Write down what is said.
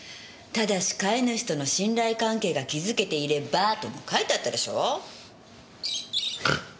「ただし飼い主との信頼関係が築けていれば」とも書いてあったでしょ。